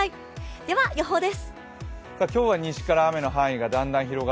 では予報です。